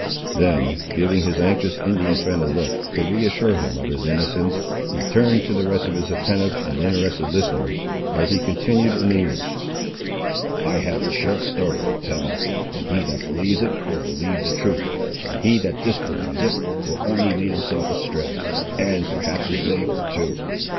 Then giving his anxious Indian friend a look, to re assure him of his innocence, he turned to the rest of his attentive and interested listeners, as he continued in English, "I have a short story to tell, and he that believes it will believe the truth, and he that disbelieves it will only lead himself astray, and perhaps his neighbour too.